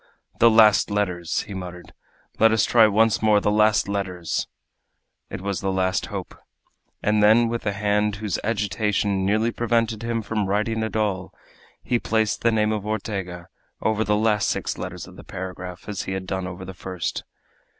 "The last letters!" he muttered. "Let us try once more the last letters!" It was the last hope. And then, with a hand whose agitation nearly prevented him from writing at all, he placed the name of Ortega over the six last letters of the paragraph, as he had done over the first.